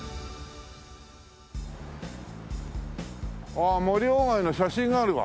ああ森外の写真があるわ。